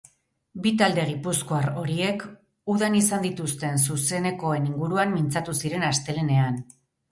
Bi talde gipuzkoar horiek udan izan dituzten zuzenekoen inguruan mintzatu ziren astelehenean.